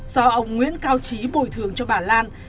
do ông nguyễn cao trí bồi thường cho bà lan